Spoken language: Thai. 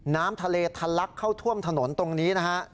น้ำทะเลทะลักเข้าท่วมถนนตรงนี้นะฮะ